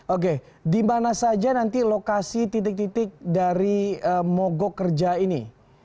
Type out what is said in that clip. oke di mana saja nanti lokasi titik titik dari mogok kerja ini